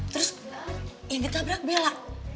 terus yang ditabrak bella